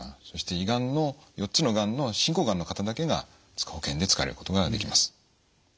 そして胃がんの４つのがんの進行がんの方だけが保険で使われることができます。